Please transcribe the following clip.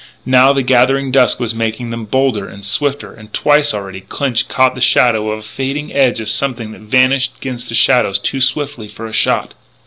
Now, the gathering dusk was making them bolder and swifter; and twice, already, Clinch caught the shadow of a fading edge of something that vanished against the shadows too swiftly for a shot.